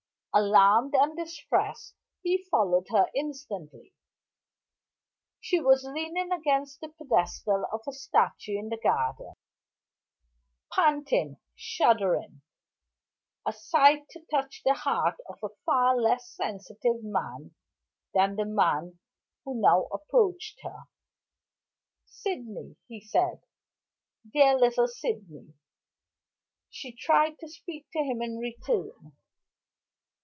Alarmed and distressed, he followed her instantly. She was leaning against the pedestal of a statue in the garden, panting, shuddering, a sight to touch the heart of a far less sensitive man than the man who now approached her. "Sydney!" he said. "Dear little Sydney!" She tried to speak to him in return.